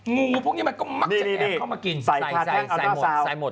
งูพวกนี้มันก็มักจะแอบเข้ามากินใส่ใส่หมดใส่หมด